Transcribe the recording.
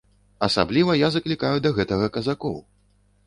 Асабліва я заклікаю да гэтага казакоў!